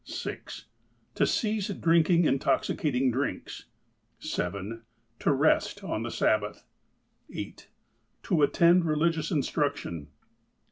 (6) To cease drinking intoxicating drinks. (7) To rest on the Sabbath. (8) To attend religious instruction.